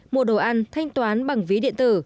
mua đồ ăn thanh toán bằng ví điện tử